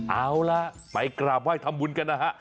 เอาล่ะไปกราบไห้ทำบุญกันนะฮะ